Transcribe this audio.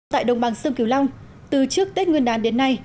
tại đồng bằng sông kiều long từ trước tết nguyên đán đến nay